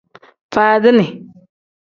Faadini.